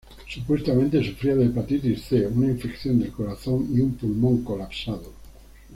Supuestamente sufría de hepatitis C, una infección del corazón y un pulmón colapsado.